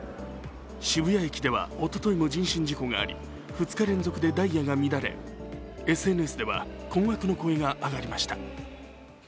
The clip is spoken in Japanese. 渋谷駅ではおとといも人身事故があり２日連続でダイヤが乱れＳＮＳでは困惑の声が上がりました。